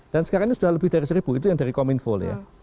dan sekarang ini sudah lebih dari seribu itu yang dari kominfo ya